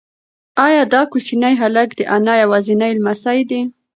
ایا دا کوچنی هلک د انا یوازینی لمسی دی؟